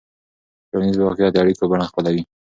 ټولنیز واقعیت د اړیکو بڼه خپلوي.